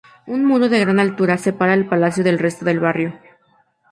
Un muro de gran altura separa el palacio del resto del barrio.